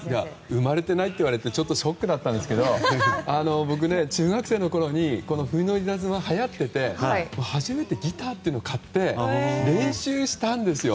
生まれていないって言われてちょっとショックだったんですけど僕、中学生の時に「冬の稲妻」がはやってて初めてギターを買って練習したんですよ。